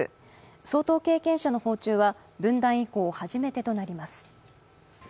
総統経験者の訪中は分断以降初めてとなります。